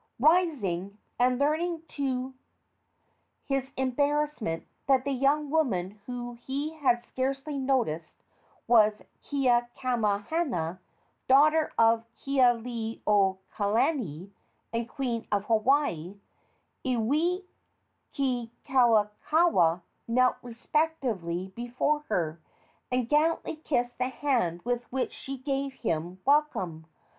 Rising, and learning to his embarrassment that the young woman whom he had scarcely noticed was Keakamahana, daughter of Kealiiokalani and queen of Hawaii, Iwikauikaua knelt respectfully before her, and gallantly kissed the hand with which she gave him welcome.